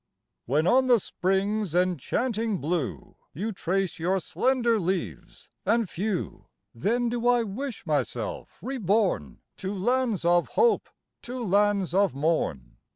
When on the spring's enchanting blue You trace your slender leaves and few, Then do I wish myself re bom To lands of hope, to lands of morn.